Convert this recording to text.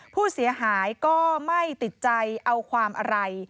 ผู้เสียหายก็ไม่ติดใจเอาความอะไร